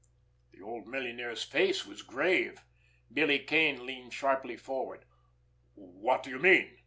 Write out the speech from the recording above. The old millionaire's face was grave. Billy Kane leaned sharply forward. "What do you mean?"